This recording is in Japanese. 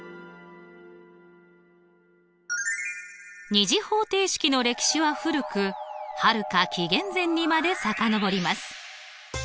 ２次方程式の歴史は古くはるか紀元前にまでさかのぼります。